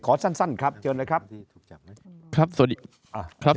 ขอสั้นครับเจอเลยครับ